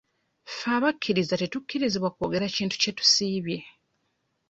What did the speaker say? Ffe abakkiriza tetukkirizibwa kwogera kintu kye tusiibye.